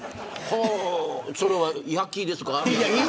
それは焼きですか。